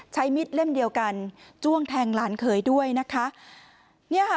ใช้มีดเล่มเดียวกันจ้วงแทงหลานเขยด้วยนะคะ